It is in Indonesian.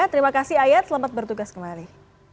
terima kasih ayat selamat bertugas kembali